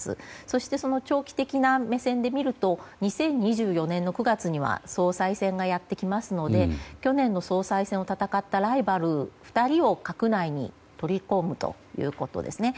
そして、長期的な目線で見ると２０２４年の９月には総裁選がやってきますので去年の総裁選を戦ったライバル２人を閣内に取り込むということですね。